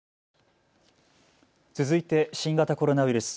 続いて新型コロナウイルス。